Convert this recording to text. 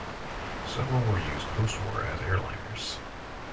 Several were used postwar as airliners.